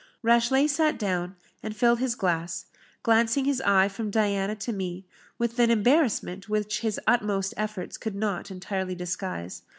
Rashleigh sate down, and filled his glass, glancing his eye from Diana to me, with an embarrassment which his utmost efforts could not entirely disguise.